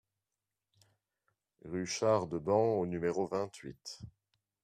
Rue Char de Ban au numéro vingt-huit